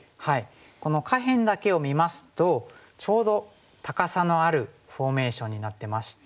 この下辺だけを見ますとちょうど高さのあるフォーメーションになってまして。